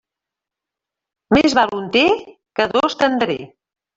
Més val un té, que dos te'n daré.